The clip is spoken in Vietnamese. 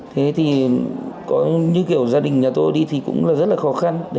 thế thì có như kiểu gia đình nhà tôi đi thì cũng là rất là khó khăn